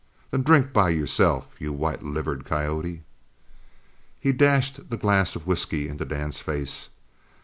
Then drink by yourself, you white livered coyote!" He dashed the glass of whisky into Dan's face.